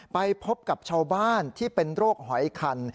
ไปพบกับชาวบ้านที่เป็นโรคหอยคัน